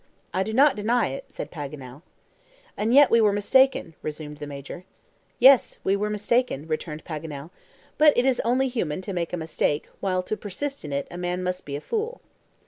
"I do not deny it," said Paganel. "And yet we were mistaken," resumed the Major. "Yes, we were mistaken," returned Paganel; "but it is only human to make a mistake, while to persist in it, a man must be a fool."